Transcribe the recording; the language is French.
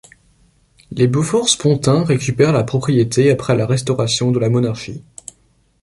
Les Beaufort-Spontin récupèrent la propriété après la restauration de la monarchie.